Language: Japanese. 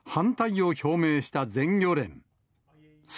冒頭、反対を表明した全漁連。